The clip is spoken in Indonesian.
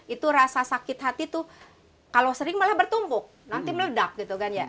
itu rasa sakit hati tuh kalau sering malah bertumpuk nanti meledak gitu kan ya